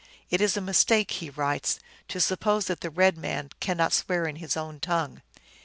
" It is a mistake," he writes, " to suppose that the red man cannot swear in his own tongue."